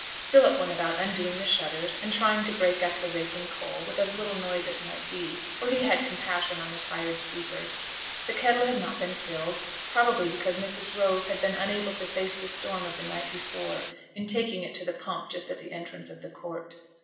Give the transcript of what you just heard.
Philip went about undoing the shutters, and trying to break up the raking coal, with as little noise as might be, for he had compassion on the tired sleepers. The kettle had not been filled, probably because Mrs. Rose had been unable to face the storm of the night before, in taking it to the pump just at the entrance of the court.